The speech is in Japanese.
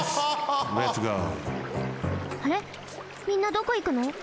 みんなどこ行くの？